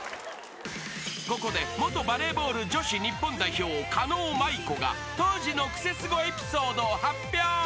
［ここで元バレーボール女子日本代表狩野舞子が当時のクセスゴエピソードを発表］